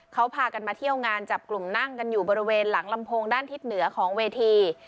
เขาพากันมาเที่ยวงานจับกลุ่มนั่งกันอยู่บริเวณหลังลำโพงด้านทิศเหนือของเวที